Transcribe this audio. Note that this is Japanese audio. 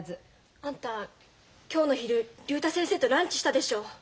あんた今日の昼竜太先生とランチしたでしょ。